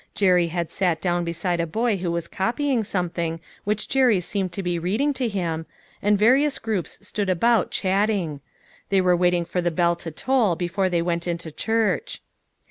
Jerry had sat down beside a boy who was copying something which Jerry seejned to be reading to him, and various groups stood about, chatting. They 156 LITTLE PISHEES : AND THE1E NETS. were waiting for the bell to toll before they went into church.